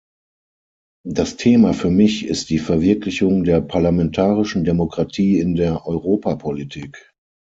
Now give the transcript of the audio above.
Das Thema für mich ist die Verwirklichung der parlamentarischen Demokratie in der Europapolitik.